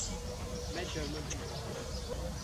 मैं जर्मन हूँ।